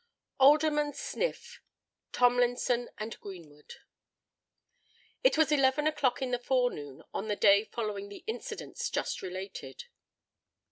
ALDERMAN SNIFF.—TOMLINSON AND GREENWOOD. It was eleven o'clock in the forenoon of the day following the incidents just related.